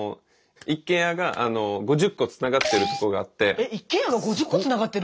えっ一軒家が５０個つながってる？